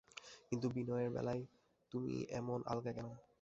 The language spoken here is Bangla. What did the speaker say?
কিন্তু বিনয়ের বেলাই তুমি এমন আলগা কেন?